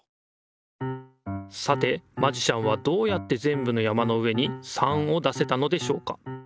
さてマジシャンはどうやってぜんぶの山の上に３を出せたのでしょうか。